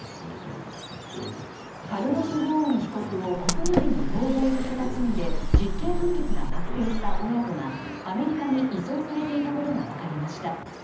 カルロス・ゴーン被告を国外に逃亡させた罪で実刑判決が確定した親子がアメリカに移送されていたことが分かりました。